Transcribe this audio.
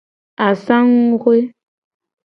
Asanguxue.